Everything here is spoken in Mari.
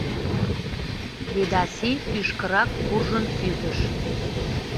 Ведаси кӱшкырак куржын кӱзыш.